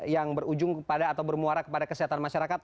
yang berujung kepada atau bermuara kepada kesehatan masyarakat